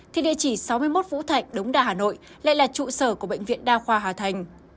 thì địa chỉ sáu mươi một vũ thạnh đống đa hà nội lại là trụ sở của bệnh viện đa khoa hà thành